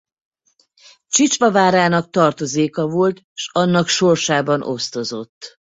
Csicsva várának tartozéka volt s annak sorsában osztozott.